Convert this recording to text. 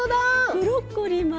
ブロッコリーもあるし。